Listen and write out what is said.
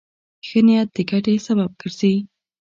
ښه نیت د ګټې سبب ګرځي.